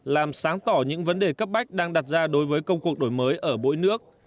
làm sáng tỏ những vấn đề cấp bách đang đặt ra đối với công cuộc đổi mới ở mỗi nước